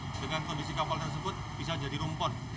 diarahkan dengan kondisi kapal tersebut bisa jadi rumput